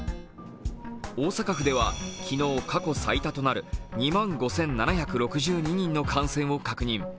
大阪府では昨日、過去最多となる２万５７６２人の感染を確認。